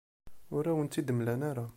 Ur awen-tt-id-mlan ara.